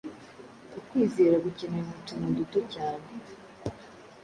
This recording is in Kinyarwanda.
Ukwizera gukenewe mu tuntu duto cyane